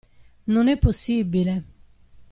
Non è possibile!